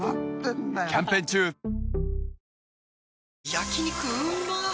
焼肉うまっ